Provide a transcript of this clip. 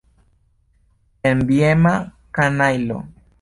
Enviema kanajlo.